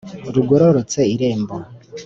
rugororotse irembo,